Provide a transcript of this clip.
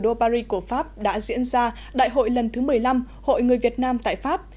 đại hội lần thứ một mươi năm hội người việt nam tại pháp đã diễn ra đại hội lần thứ một mươi năm hội người việt nam tại pháp